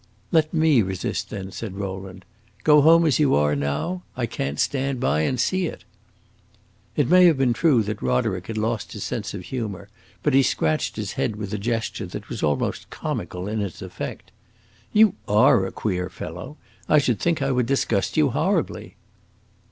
"Let me resist, then," said Rowland. "Go home as you are now? I can't stand by and see it." It may have been true that Roderick had lost his sense of humor, but he scratched his head with a gesture that was almost comical in its effect. "You are a queer fellow! I should think I would disgust you horribly."